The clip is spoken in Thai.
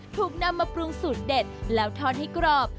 ถูกนำมาปรุงสูตรเด็ดแล้วทอดให้กรอบ